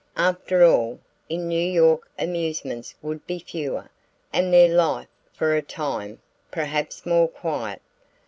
After all, in New York amusements would be fewer, and their life, for a time, perhaps more quiet.